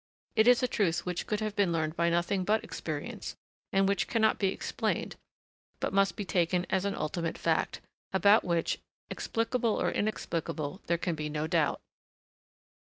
It is a truth which could have been learned by nothing but experience, and which cannot be explained, but must be taken as an ultimate fact about which, explicable or inexplicable, there can be no doubt.